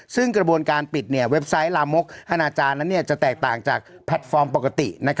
ซึ่งกระบวนการปิดเว็บไซต์ลามกอนาจารย์นั้นจะแตกต่างจากแพลตฟอร์มปกติ